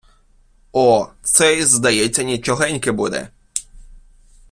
О, цей, здається, нічогенький буде!..